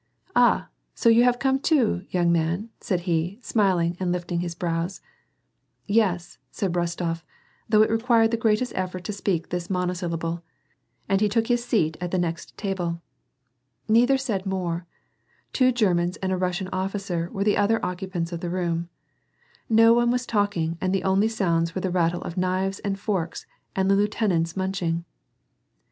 Aha ! so you have come too, young man " said he smiling and lifting his brows. " Yes " said Rostof, though it required the greatest effort to speak this monosyllable, and he took his seat at the next table. Neither said more ; two Germans and a Russian officer were the other occupants of the room. No one was talking and the only sounds were the rattle of knives and forks and the lieu tenant's munching.